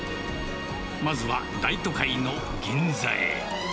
まずは、大都会の銀座へ。